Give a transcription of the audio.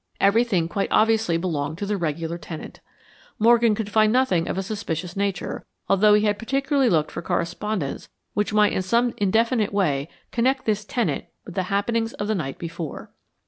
Everything quite obviously belonged to the regular tenant. Morgan could find nothing of a suspicious nature, although he had particularly looked for correspondence which might in some indefinite way connect this tenant with the happenings of the night before.